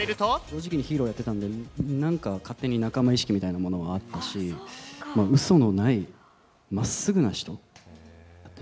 同時期にヒーローやってたんで、なんか勝手に仲間意識みたいなものがあったし、うそのないまっすぐな人。